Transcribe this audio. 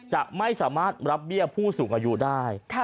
จะไม่สามารถรับเบี้ยผู้สูงอายุได้